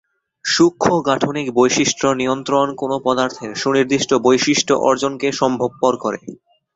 সূক্ষ্ম-গাঠনিক বৈশিষ্ট্য নিয়ন্ত্রণ কোন পদার্থের সুনির্দিষ্ট বৈশিষ্ট্য অর্জনকে সম্ভবপর করে।